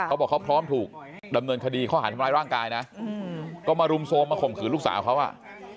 เขาบอกเขาพร้อมถูกดำเนินคดีข้อหารทำร้ายร่างกายนะก็มารุมโทรมมาข่มขืนลูกสาวเขาอ่ะ